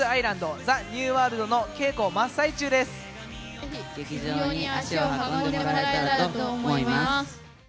ぜひ劇場に足を運んでもらえたらと思います。